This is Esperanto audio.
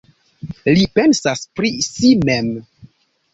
Li pensas pri si mem.